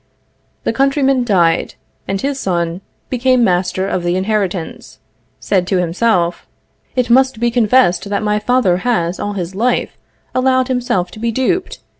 The countryman died, and his son, become master of the inheritance, said to himself: "It must be confessed that my father has, all his life, allowed himself to be duped.